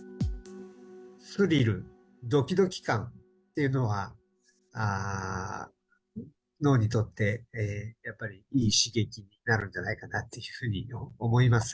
スリル、どきどき感というのは、脳にとって、やっぱりいい刺激になるんじゃないかなというふうに思います。